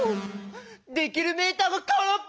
できるメーターがからっぽ！